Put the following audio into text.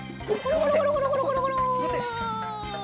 コロコロコロコロ。